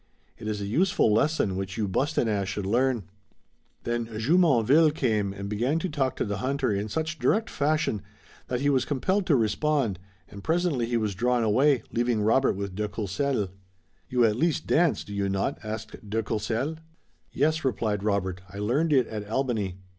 It is a useful lesson which you Bostonnais should learn." Then Jumonville came and began to talk to the hunter in such direct fashion that he was compelled to respond, and presently he was drawn away, leaving Robert with de Courcelles. "You at least dance, do you not?" asked de Courcelles. "Yes," replied Robert, "I learned it at Albany."